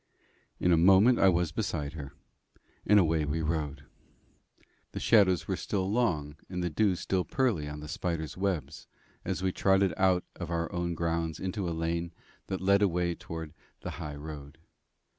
In a moment I was beside her, and away we rode. The shadows were still long, the dew still pearly on the spiders' webs, as we trotted out of our own grounds into a lane that led away towards the high road.